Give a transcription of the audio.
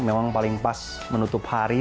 memang paling pas menutup hari